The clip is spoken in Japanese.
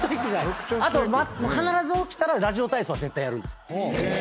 あと必ず起きたらラジオ体操は絶対やるんです。